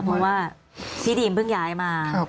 เพราะว่าพี่ดีมเพิ่งย้ายมา